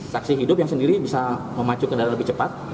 saksi hidup yang sendiri bisa memacu kendaraan lebih cepat